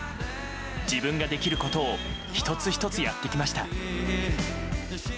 自分ができることを一つ一つやってきました。